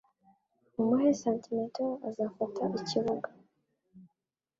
Mumuhe santimetero azafata ikibuga.